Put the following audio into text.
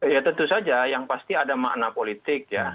ya tentu saja yang pasti ada makna politik ya